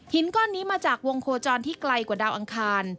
ก้อนนี้มาจากวงโคจรที่ไกลกว่าดาวอังคาร